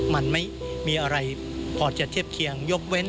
มันไม่มีอะไรพอจะเทียบเคียงยกเว้น